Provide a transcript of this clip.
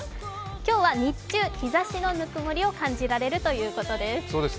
今日は日中、日ざしの温もりを感じられるということです。